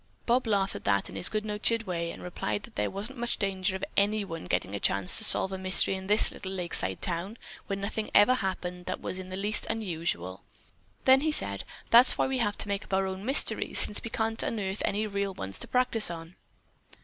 Bob laughed at that in his good natured way and replied that there wasn't much danger of any one getting a chance to solve a mystery in this little lakeside town where nothing ever happened that was in the least unusual. Then he said: 'That's why we have to make up our own mysteries, since we can't unearth any real ones to practice on.